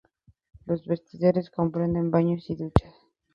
Los vestidores comprenden baños y duchas.